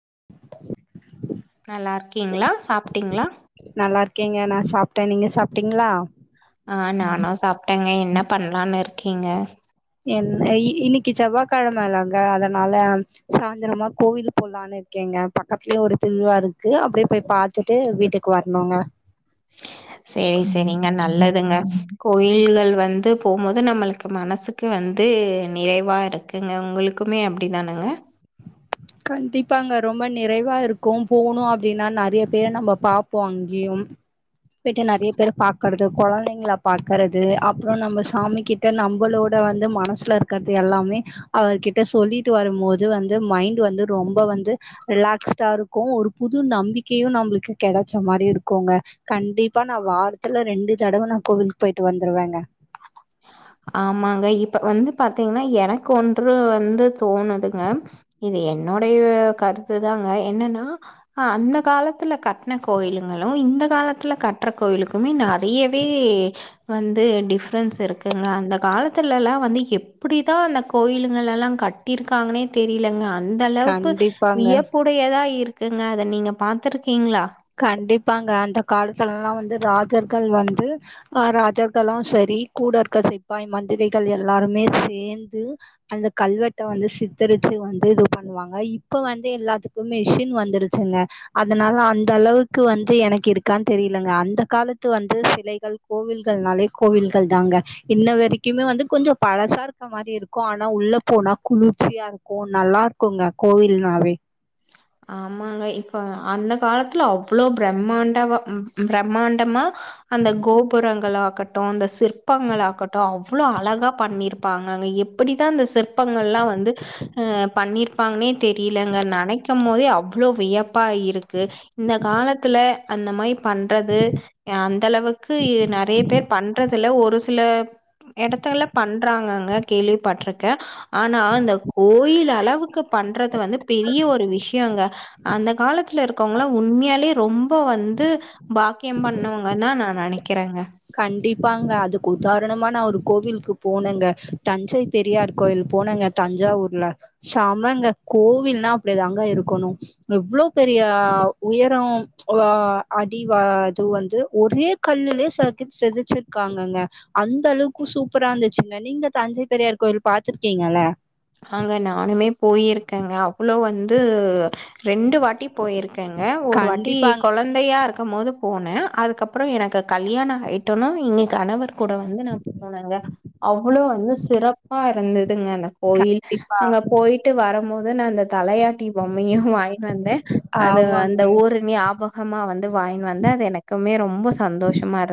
[inaudible] ஓகேங்களா சாப்பிட்டிங்களா நல்லா இருக்கீங்க நான் சாப்பிட்டேன் நீங்க சாப்பிட்டீங்களா ஆஹ் நானும் சாப்பிட்டேங்க என்ன பண்ணலான்னு இருக்கீங்க என் இன்னைக்கு செவ்வாய்கிழமைலாங்க அதனால சாயந்திரமா கோவில் போலான்னு இருக்கேங்க பக்கத்துலயே ஒரு திருவிழா இருக்கு அப்படியே போய் பாத்துட்டு வீட்டுக்கு வரணுங்க சேரி சேரிங்க நல்லதுங்க கோயில்கள் வந்து போபோது நம்மளுக்கு மனசுக்கு வந்து நிறைவா இருக்குங்க உங்களுக்குமே அப்படி தானுங்க கண்டிப்பா அங்க ரொம்ப நிறைவா இருக்கும் போனும் அப்படின்னா நிறைய பேரை நம்ம பார்ப்போம் அங்கேயும் போய்ட்டு நிறைய பேர் பாக்கறது குழந்தைங்க பாக்கறது அப்பறம் நம்ப சாமி கிட்ட நம்மளோட வந்து மனசுல இருக்கிறது எல்லாமே அவர்கிட்ட சொல்லிட்டு வரும் போது வந்து மைண்ட் வந்து ரொம்ப வந்து ரிலாக்ஸ்டா இருக்கும் ஒரு புது நம்பிக்கையும் நம்மளுக்கு கிடைச்ச மாரி இருக்கும்ங்க கண்டிப்பா நான் வாரத்துல ரெண்டு தடவ நான் கோவிலுக்கு போயிட்டு வந்துருவேங்க ஆமாங்க இப்ப வந்து பாத்தீங்கன்னா எனக்கு ஒன்று வந்து தோணுதுங்க இது என்னுோடைய கருத்துதாங்க என்னனா அந்த காலத்து துலா கட்டண கோயிலுங்களும் இந்த காலத்தில கற்ற கோயிலுக்குமே நிறையவே வந்து என்டிப் ப்ரென்ஸ் இருக்கு எங்க அந்த காலத்துல எல்லாம் வந்து எப்படித்தான் அந்த கோயிலுங்கள எல்லாம் கட்டிருக்காங்கன்னே தெரியலங்க அ அந்த அளவுக்கு கண்டிப்பாங்க வியப்புடையதா இருக் க்குங்க அத நீங்க பாத்துருக் க்கீங்ளா பாங்க அந்த காலத்துலல்லா வந்து ராஜர்கள் வந்து அ ராஜர்களு சரி கூடஇருக்க சிப்பாய் மந்திரிகள் எல்லாருமே சேந்து அந்த கல்வெட் ட வந்து சித்தரிச்சி வந்து இது ஒ பண்ணுவாங்க இப்ப வந்து எல்லாத்துக்கும் மிஷின் வந்துருச்சுங்க அதனால அந் தளவுக்கு வந்து எனக்கு இருக்கான் தெரிலங்க அந்த காலத்து வந்து சிலைகள் கோவில்கள்னாலே கோவில்கள் தாங்க இன்ன வரைக்குமே வந்து கொஞ்ச பழசா இருக்க மாரி இருக்கும் ஆனா உள்ள போனா குளிர்ச்சியா இருக்கு நல்லா இருக்குங்க கோவில்னாவே ஆமாங்க இப்ப அந்த காலத்துல அவ்ளோ பிரம்மாண்டவ பிரம்மாண்டமா அந்த கோபுரங்கள் ஆகட்டும் அந்த சிற்பங்கள் ஆக்கட்டு அவ்ளோ அழகா பண்ணிருப்பாங்கங்க எப்பிடிதா அந்த சிற்பங்கள்லா வந்து அ பண்ணிருப்பாங்னே தெரிலங்க நனைக் கம்மோதே அவ்ளோ வியப் ப்பா இருக்கு இந்த காலத்துல அந்த மைப் பண்றது அந் த அளவுக்கு நெறைய பேர் பண்றதுல ஒரு சில எடத்துல பண்றாங்கங்க கேள்விப்பட்ருக்கே ஆனா இந்த கோயில் அளவுக்கு பண்றது வந்து பெரிய ஒரு விஷ் யொங்க அந்த காலத்துல இருக்கவங்களா உண்மையாலே ரொம் ம்ப வந்து பாக்கியம் பண்ணவங்க தா நா நெனக் கிறங்க கண்டிப்பாங்க அதுக்கு உதாரணமா நா ஒரு கோவில்க்கு போனேங்க தஞ்சை பெரியார் கோயில் போனேங்க தஞ்சாவூர்ல சமங்க கோவில்னா அப்படிதாங்க இருக்கணு எவ்ளோ பெரிய உயரம் அடி அது வந்து ஒரே கல்லுலே செ செதுச்சிருக்காங்கங்க அந்த அளவுக்கு சூப்பரா இருந்துச்சுங்க நீங்க தஞ்சை பெரியார் கோயில் பாத்துருக்கீங்கல்ல ஆங்க நானுமே போயிருக்கேங்க அவ்வளொ வந் து ரெண்டு வாட்டி போயிருக்கேங்க ஒரு வாட்டி கண்டிப்பாங்க. கொழந்தையா இருக் கும் போது போனே அதுக்கப்ற எனக்கு கல்யாண ஆயிட்டனொ இங்க கணவர் கூட வந்து நா போனேங்க அவ்வளோ வந்து சிறப்பா இருந்ததுங்க கோயில் கண்டிப்பா. அங்க போயிட்டு வரும்மோ து நாந்த தலையாட்டி பொம்மையு வாங்கினுவந்தே அது ஆமாங்க. அந்த ஊர் நியாபகமா வந் து வாங்கினு வந்த அது எனக்குமே ரொம்ப சந்தோஷமாரு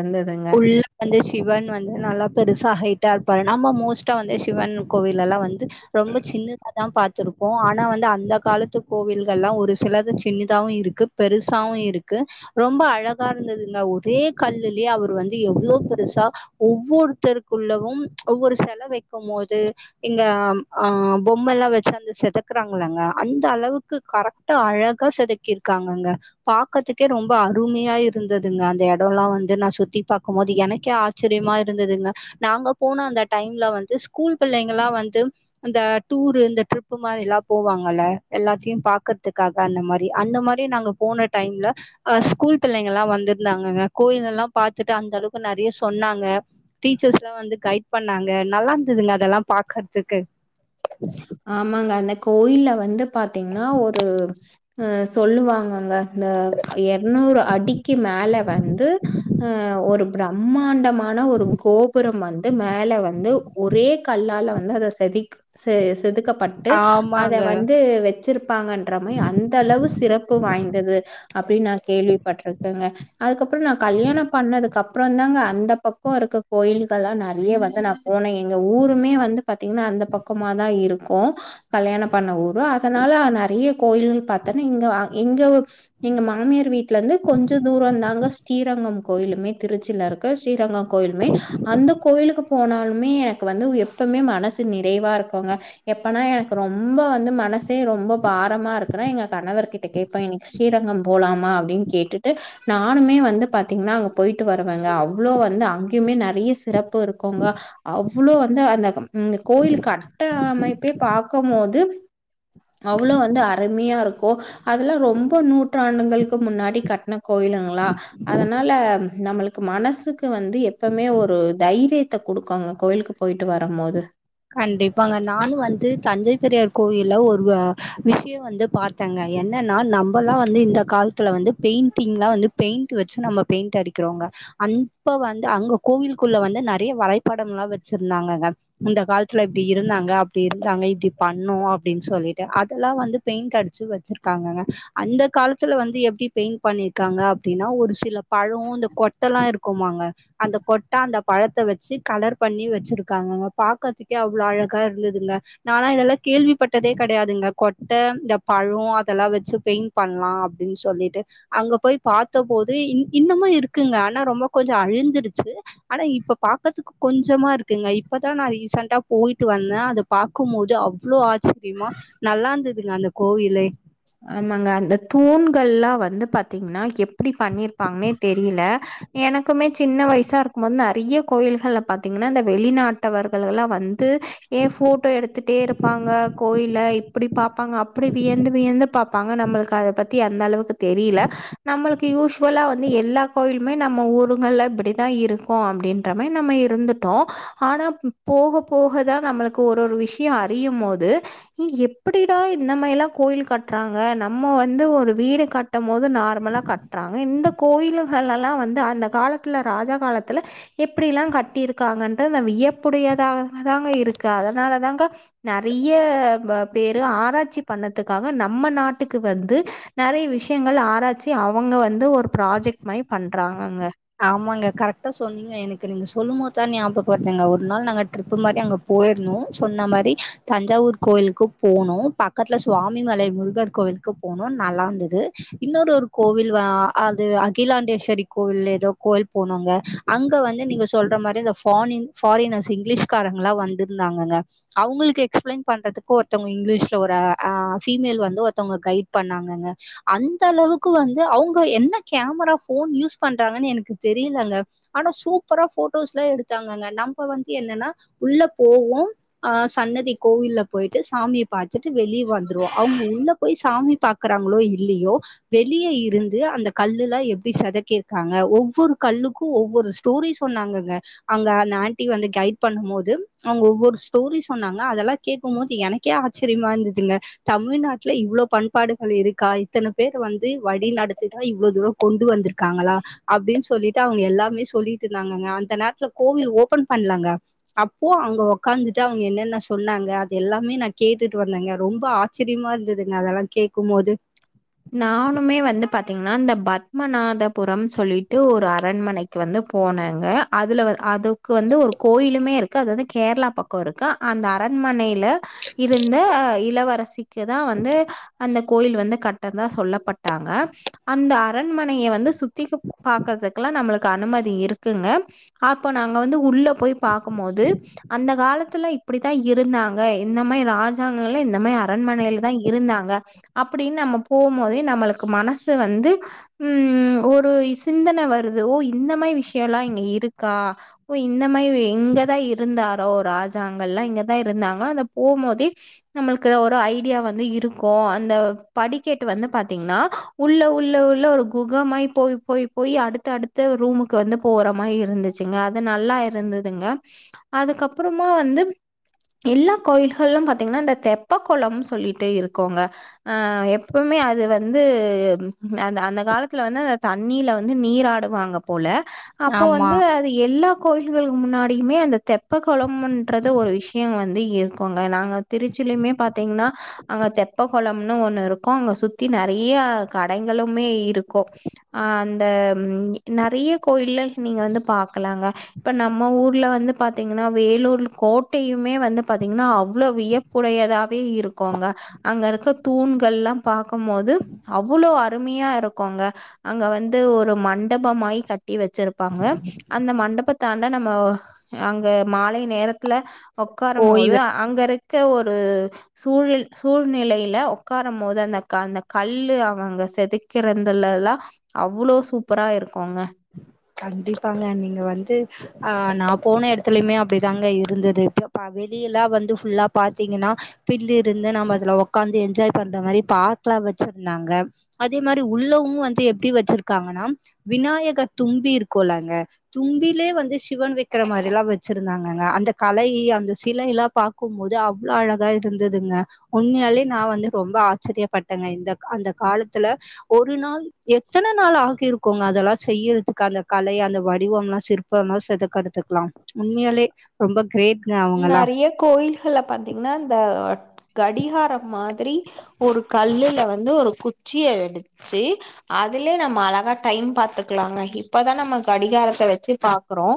உள்ள வந்து சிவன் வந்து நல்லா பெருசா ஹைட்டா இப்ப நாம மோஸ்ட்டா வந்து சிவன் கோவில் எல்லா வந்து ரொம்ப சின்னதாதா பாத் துருப்போ ஆனா வந்து அந்த காலத்து கோவில்கள்லா ஒரு சிலது சின்னதாவு இருக்கு பெருசாவு இருக்கு ரொம்ப அழகாருந்ததுங்க ஒரே கல்லுலெயே அவர் வந்து எவ்ளோ பெருசா ஒவ்வொருத்தருக்குள்ளவும் ஒவ்வொரு செல வைக்கும் போது இங்க ஆ பொம்மல்லா வச்சு அந்த செதுக்குறாங்களங்க அந்த அளவுக்கு கரெக்டா அழகா செதுக்கிருக்காங்கங்க பாக்கறதுக்கே ரொம்ப அருமையா இருந்ததுங்க அந்த எடல்லா வந்து நா சுத்தி பாக்கும்போது எனக்கே ஆச்சரியமா இருந்ததுங்க நாங்க போன அந்த டைம்ல வந்து ஸ்கூல் பிள்ளைங்கல்லா வந்து அந்த டூரு இந்த ட்ரிப்பு மாரி எல்லா போவாங்கல்ல எல்லாத்தையு பாக்கறதுக்காக அந்த மாரி அந்த மாரி நாங்க போன டைம்ல அ ஸ்கூல் பிள்ளைங்கல்லா வந்துருந்தாங்கங்க கோயிலெல்லா பாத் துட்டு அந்த அளவுக்கு நெறைய சொன்னாங்க டீச்சர்ஸ்லா வந்து கைட் பண்ணாங்க நல்லா இருந்ததுங்க அதல்லா பாக்கற்துக்கு ஆமாங்க அந்த கோயில வந்து பாத்தீங்கன்னா ஒரு ஹ சொல்லுவாங்கங்க இத இரநூறு அடிக்கு மேல வந்து அஹ ஒரு பிரம்மாண்டமா ஆனா ஒரு கோபுரம் வந்து மேல வந்து ஒரே கல்லால வந்து இன்ன அத செதுக் செதுக் கப்பட்டு அத ஆமாங்க வந்து வச்சிருப்பாங்கன்ற மாதிரி அந்த அளவு சிறப்பு வாய்ந்தது அப்படின்னு நான் கேள்விப்பட்டிருக்கேங்க அதுக்கப்புறம் நான் கல்யாணம் பண்ணதுக்குப்புறம் அப்புறந்தாங்க அந்த பக்கம் இருக்க கோயில்கள்லாம் நிறைய வந்து நா போன எங்க ஊருமே வந்து பாத்தீங்கன்னா அந்த பக் பக்கமா தான் இருக்கும் கல்யாணம் பண்ண ஊர் அதனால நிறைய கோயில் பார்த்தன்னா இங்க எங்க எங்க மாமியார் வீட்டுல இருந்து கொஞ்சம் தூரம்ந்தாங்க ஸ்ரீரங்கம் கோயிலுமே திருச்சில இருக்கு ஸ்ரீரங்கம் கோயிலுமே அந்த கோயிலுக்கு போனாலுமே எனக்கு வந்து எப்பவுமே மனசு நிறைவா இருக்கு இருக்குங்க எப்பனே ரொம்ப வந்து மனசே ரொம்ப பாரமா இருக்குன்னா எங்க கணவர்கிட்ட கேட்பே இன்னக்கி ஸ்ரீரங்கம் போலாமா அப்படின்னு கேட்டுட்டு நானுமே வந்து பாத்தீங்கன்னா அங்க போயிட்டு வருவங்க அவ்வளோ வந்து அங்கயுமே நிறைய நிறைய சிறப்பு இருக்குங்க அவ் அவ்ளோ வந்து அந்த கோயிலுக்கு சட்ட அமைப்பை பாக்கபோது அவ்வளவு வந்து அருமையா இருக்கும் இப்ப அதுல்லாம் ரொம்ப நூற்றாண்டுகளுக்கு முன்னாடி கட்டின கோயிலுங்களா அதனால நம்மளுக்கு மனசுக்கு வந்து எப்பவுமே ஒரு தைரியத்தை கொடுக்கோங்க கோயிலுக்கு போயிட்டு வரும் போது கண்டிப்பாங்க நானு வந்து தஞ்சை பெரியார் கோயில் ஒரு விஷயம் வந்து பார்த்தேங்க என்னன்னா நம்மல்லாம் வந்து இந்த காலத்துல வந்து பெயிண்டிங் எலாம் வந்து பெயிண்ட் வச்சு நம்ம பெயிண்ட் அடிக்கிறோங்க அப்ப வந்து அங்க கோவிலக்குள்ள வந்து நிறைய வரைபடம் எல்லாம் வச்சிருந்தாங்கங்க இந்த கால இப்படி இருந்தாங்க அப்படி இருந்தாங்க இப்படி பண்ணும் அப்படின்னு சொல்லிட்டு அதெல்லாம் வந்து பெயிண்ட் அடிச்சு வச்சிருக்காங்கங்க அந்த காலத்துல வந்து எப்படி பெயிண்ட் பண்ணிருக்காங்க அப்படின்னா ஒரு சில பழம் இந்த கொட்டை எல்லாம் இருக்குமாங்க அந்த கொட்டை அந்த பழத்தை வச்சு கலர் பண்ணி வச்சிருக்காங்கங்க பாக்கதுக்கு அவ்வளவு அழகா இருந்ததுங்க நானாலா இதெல்லாம் கேள்விப்பட்டதே கிடையாதுங்க கொட்டை இந்த பழம் அதெல்லாம் வச்சு பெயிண்ட் பண்ணலாம் அப்படின்னு சொல்லிட்டு அங்க போய் பார்த்தபோது இன்னுமும் இருக்குங்க ஆனா ரொம்ப கொஞ்சம் அழிஞ்சிருச்சு ஆனா இப்ப பாக்கதுக்கு கொஞ்சமா இருக்குங்க இப்பதான் நான் ரீசண்டா போயிட்டு வந்தேன் அதை பார்க்கும்போது அவ்ளோ ஆச்சரியமா நல்லா இருந்ததுங்க அந்த கோவிலே ஆமாங்க அந்த தூண்கள் எல்லாம் வ வந்து பார்த்தீங்கன்னா எப்ப அப்படி பண்ணிருப்பாங்கன்னே தெரியல எனக் குமே சின்ன வயசா இருக்கும் போது நிறைய கோயில்கள்ல பார்த்தீங்கன்னா இந்த வெளிநாட்டவர்கள் எல்லாம் வந்து ஏ போட்டோ எடுத்துட்டே இருப்பாங்க கோயில இப்படி பார்ப்பாங்க அப்படி வியந்து வியந்து பாப்பாங்க. நம்மளுக்கு அத பத்தி அந்த அளவுக்கு தெரியல நம்மளுக்கு யூசுவலா வந்து எல்லா கோயிலுமே நம்ம ஊருங்கள்ல இப்படிதான் இருக்கும் அப்படின்ற மாதிரி நம்ம இருந்துட்டோம் ஆனா போக போகதான் நம்மளுக்கு ஒரு ஒரு விஷயம் அறியும் போது எப்படிடா இந்த மாதிரிலாம் கோயில் கட்ட கட்டுறாங்க நம்ம வந்து ஒரு வீடு கட்டும் போது நார்மலா கட்டுறாங்க இந்த கோயில்கலாம் வந்து அந்த காலத்தில ராஜா காலத்தில எப்படிலாம் கட்டியிருக்காங்க என்றது நம்ம வியப்புடையதாக அதாங்க இருக்கு அதனால தாங்க நிறைய பேரு ஆராய்ச்சி பண்ணதுக்காக நம்ம நாட்டுக்கு வந்து நிறைய விஷயங்கள் ஆராட்ச்சி அவங்க வந்து ஒரு ப்ராஜெக்ட் மாதிரி பண்றாங்கங்க ஆமாங்க கரெக்ட்டா சொன்னீங்க எனக்கு நீங்க சொல்லும் போதுதான் ஞாபகம் வருந்தீங்க ஒரு நாள் நாங்க ட்ரிப்பு மாரி அங்க போயிருதோம் சொன்ன மாரி தஞ்சாவூர் கோவிலுக்கு போகனும் பக்கத்துல சுவாமிமலை முருகர் கோவிலுக்கு போகனும் நல்லா இருந்தது இன்னொரு ஒரு கோவில் அது அகிலாண்டேஸ்வரி கோவில் கோவில் போணங்க அங்க வந்து நீங்க சொல்லர மாரி அந்த பாரின் ஃபாரினஸ் இங்கிலிஷ்காரங்க வந்துருந்தாங்கங்க அவுங்களுக்கு எகஸ்பிளைன் பன்றதுக்கு ஒருத்தவங்க இங்கிலிஷ் ஒரு பீமேய்ல் ஒரு ஒருத்தவங்க கைட் பண்ணாங்க அந்த அளவுக்கு வந்து அவுங்க என்ன கேமரா போன் யூஸ் பன்ற எனக்கு தெரியல ஆனா சூப்பர போட்டோஸ் லாம் எடுத்தாங்க நம்ப என்னன்னா உள்ள போவோம் சன்னதி கோவில்ல போயிட்டு சாமிய பார்த்துட்டு வெளி வந்துருவோம் அவங்க உள்ள போய் சாமி பாக்குறாங்களோ இல்லையோ வெளியே இருந்து அந்த கல்லுல்லா எப்படி சதக்கிய இருக்காங்க ஒவ்வொரு கல்லுக்கும் ஒவ்வொரு ஸ்டோரி சொன்னாங்கங்க அங்க அந்த ஆண்டி வந்து கைட் பண்ணும் போது அவங்க ஒவ்வொரு ஸ்டோரி சொன்னாங்க அதெல்லாம் கேக்கும் போது எனக்கே ஆச்சரியமா இருந்ததுங்க தமிழ்நாட்டுல இவ்வளவு பண்பாடுகள் இருக்கா இத்தனை பேர் வந்து வழி நடத்ததான் இவ்வளோ தூரம் கொண்டு வந்திருக்காங்களா அப்படின்னு சொல்லிட்டு அவங்க எல்லாமே சொல்லிட்டு இருந்தாங்க அந்த நேரத்துல கோவில் ஓபன் பண்ணலாங்க அப்போ அங்க உக்காந்துட்டு அவங்க என்னென்ன சொன்னாங்க அது எல்லாமே நான் கேட்டுட்டு வந்தேங்க ரொம்ப ஆச்சரியமா இருந்ததுங்க அதெல்லாம் கேட்க போது நானுமே வந்து பாத்தீங்கன்னா இந்த பத்மநாதபுரம் சொல்லிட்டு ஒரு அரண்மனைக்கு வந்து போனேங்க அதுல அதுக்கு வந்து ஒரு கோயிலுமே இருக்கு அது வந்து கேரளா பக்கம் இருக்கு அந்த அரண்மனை லா இருந்த இளவரசிக்கு தான் வந்து அந்த கோயில் வந்து கட் தா சொல்லப்பட்டாங்க அந்த ஆ அரண்மனைய வந்து சுத்தி பாக்றதுக்கெல்லா நம்ளு அனுமதி இருக்குங்க அப்போ நாங்க வந்து உள்ள போய் பாக்கும்போது அந்த காலத் [unintelligible] இப்டிதா இருந்தாங்க இந்த மாரி ராஜாங்களேள்ள இந்த மாரி அரண்மனையில தா இருந்தாங்க அப்டின்னு நம்ம போம்போது நம்ளுக்கு மனசு வந்து உம் ஒரு சிந்தன வருது ஓ இந்த மாரி விஷயல்லா இங்க இருக்கா ஓ இந்த மாரி இ இங்கேதா இருந்தாரோ ராஜாங்கள்ளா இங்கேதா இருந்தாங்ளா அத போம்போது நம்ளுக்கு ஒரு ஐடியா வந்து இருக்கோ அந்த படி கேட்டு வந்து பாத்தீங்னா உள்ள உள்ள உள்ள ஒரு குகைமாய் போய் போய் போய் அடுத்த அடுத்த ரூமுக்கு வந்து போற மாரி இருந்துச்சுங்க அது நல்லா இருந்ததுங்க அதுக்கப்பறமா வந்து எல்லா கோயில்கலும் பாத்தீங்கனா இந்த தெப்பகுளம் சொல்லிட்டு இருக்கோங்க அஹ் எப்போவுமே அது வந்து அந்த அந்த காலத்தில வந்து அந்த தண்ணியில வந்து நீராடுவாங்க போல அப்போ ஆமா வந்து அது எல்லா கோயில்களு முன்னாடியுமே அந்த தெப்பகுளமுன்ற ஒரு விஷயம் வந்து இருக்கோங்க நாங்க திருச்சிலயுமே பாத்தீங்னா அங்க தெப்பகுளம்னு ஒண்ணு இருக் இருக்கோ அங்க சுத்தி நெறைய கடைங்களுமே இருக்கோ ஹ் அந்த நறைய கோயில்ல நீங்க வந்து பாக்கலாங்க இப்ப நம்ம ஊர்ல வந்து பாத்தீங்னா வேலூர்ல கோட்டையுமே வந்து பாத்தீங்னா அவ்ளோ வியப்புடையதாவே இருக்கோங்க அங்க இருக்க தூண்கள் எல்லா பாக்கும்போது அவ்ளோ அருமையா இருக்கோங்க அங்க வந்து ஒரு மண்டபமாயி கட்டி வச்சிருப்பாங்க அந்த மண்டபத்தாண்ட நம்ம அங்க மாலை நேரத்துல உக்கார போது ஓய்வு அங்க இரு கு ஒரு சூ சூழ்நிலையில உக்கார மொது அந்த க அந்த கல்லு அவங்க செதுக்கிறிதுலல்லா அவ்ளோ சூப்ரா இருக்கோங்க கண்டிப்பாங்க நீங்க வந்து ஆஹ் நா போன இடத்துலயுமே அப்டிதாங்க இருந்தது இப்போ ப வெளியலா வந்து ஃபுல்லா பாத்தீங்னா பில்லு இருந்து நாம அதுல உக்காந்து என்ஜாய் பண்றாமாரி பார்க்லா வச்சிருந்தாங்க அதே மாரி உள்ளவவோ வந்து எப்படி வெச்சிருக்காங்கனா விநாயகர் தும்பி இருக்கோலாங்க தும்பிலயே வந்து சிவன் வெக்கரமாரியெலா வச்சிரு இந்தாங்கங்க அந்த கலை அந்த சிலையில்லா பாக்கும் போது அவ்ளோ அழகா இருந்ததுங்க உண்மையாலே நா வந்து ரொம்ப ஆச்சரியப்பட்டேங்க இந்தக் க அந்த காலத்துல ஒரு நாள் எத்தன நாள் ஆகிருக்கோங்க அதெல்லா செய்யிர கலை அந்த வடிவம்லா சிற்பம்ளா செதுக்கர்துக்கலா உண்மையாலே ரொம்ப கிரேட் நறைய கோயில்கல பாத்தீங்னா இந்த கடிகாரம் மாதிரி ஒரு கல்லுல வந்து ஒரு குச்சிய எடுச்சு அதுலயே நம்ம அழகா டைம் பாத்துக்கலாங்க இப்பதா நம்ம கடிகாரத்த வச்சு பா க்றோ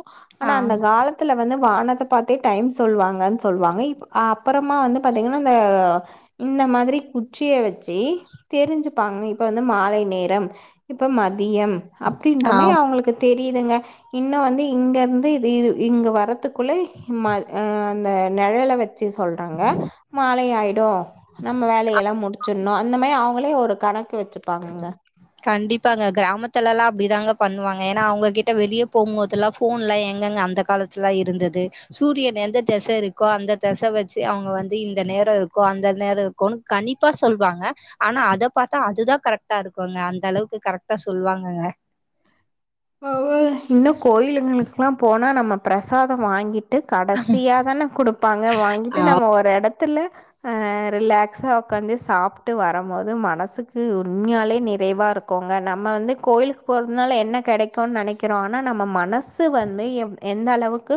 ஆ ஆனா அந்த காலத்துல வந்து வானத்த பாத் தே டைம் சொல்வாங்கன் சொல்வாங்க இப் அப்பறமா வந்து பாத்தீங்கனா இந்த இந்த மாரி குச்சிய வெச்சு தெரிஞ்சுப்பாங்க இப்ப வந்து மாலை நேரம் இப்ப மதி மதியம் அப்டின்றமே ஆம் அவங்களுக்கு தெரியுதுங்க இன்னோ வந்து இங்கேருந்து இது இது இங்கே வரத்துக்குள்ளே ம அ அந்த நிழல வ வெச்சு சொல்றாங்க மாலை ஆயிடோம் நம்ம வேலயெல்லாம் முடிச்சண்ணு அந்த மாரி அவ [unintelligible] ஒரு கணக்கு வச்சுப்பாங்கங்க இப்பாங்க கிராமத்துல எல்லாம் அப்டிதாங்க பண்ணுவாங்க ஏன்னா அவங்ககிட்ட வெளிய போம்போதுல்லாம் போன் எல்லாம் எங்கெங்க அந்த காலத்துலா இருந்தது சூரியன் எந்த திச இருக்கோ அந்த திசை வச்சு அவங்க வந்து இந்த நேரம் இருக்கோம் அந்த நேரம் இருக்கன்னு கண்ப்பா சொல்லுவாங்க ஆனா அத பாத்தா அதுதான் கரெக்டா இருக்கும்ங்க அந்த அளவுக்கு கரெக்டா சொல்லுவாங்கங்க [unintelligible] இன்னும் கோயிலுங்களுக்கெல்லாம் போனா நம்ம பிரசாதம் வாங்கி ட்டு கடைசியாதானே கொடுப்பாங்க வாங்கிட்டு ஆ நம்ம ஒரு இடத்துல ஆஹ ரிலாக்ஸா உக்காந்து சாப்பட்டு வரும் போது மனசுக்கு உண்மையாலே நெறைவா இருக்கோங்க நம்ம வந்து கோயிலுக்கு போறதுனால என்ன கெடைக்கும்னு நெனைக்கிறோம் ஆனா நம்ம மனசு [unintelligible] வந்து என் எந்த அளவுக்கு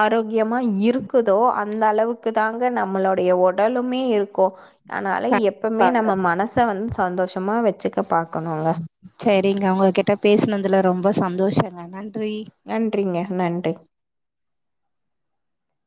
ஆரோக்கியமா இருக்குதோ அந்த அளவுக்கு தாங்க நம்மளுடைய உடலுமே இருக்கும் அதனால எப்மே கண்டிப்பாங்க நம்ம மனச வந்து சந்தோஷமாக வச்சுக்க பாக் செரிங்க உங்க கிட்ட பேசினதுல ரொம்ப சந்தோஷங்க நன்றி நன்றிங்க நன்றி